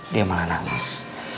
dia malah nangis